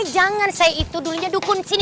jangan saya itu dulunya dukun sini